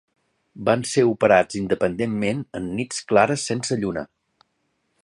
Van ser operats independentment en nits clares sense lluna.